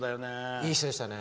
いい人でしたね。